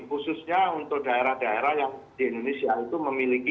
khususnya untuk daerah daerah yang di indonesia itu memiliki